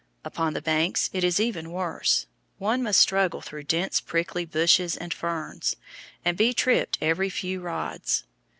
Upon the banks it is even worse; one must struggle through dense prickly bushes and ferns, and be tripped every few rods.